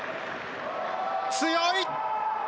強い！